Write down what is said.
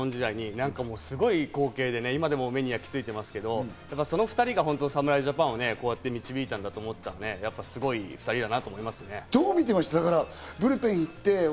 今でも、すごい光景で目に焼きついてますが、その２人が侍ジャパンをこうやって導いたと思ったら、すごい２人だなと思いますね。